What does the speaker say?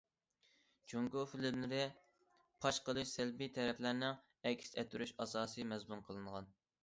جۇڭگو فىلىملىرى پاش قىلىش، سەلبىي تەرەپلەرنى ئەكس ئەتتۈرۈش ئاساسىي مەزمۇن قىلىنغان.